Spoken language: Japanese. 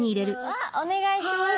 わっお願いします。